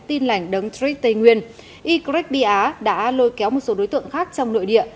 tin lành đấng trích tây nguyên ycret bia đã lôi kéo một số đối tượng khác trong nội địa